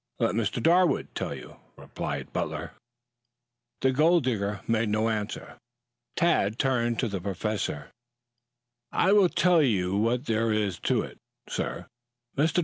"Let Mr. Darwood tell you," replied Butler. The gold digger made no answer. Tad turned to the Professor. "I will tell you what there is to it, sir. Mr.